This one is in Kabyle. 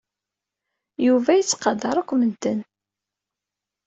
Yuba yettqadar akk medden.